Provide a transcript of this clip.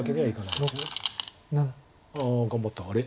ああ頑張った。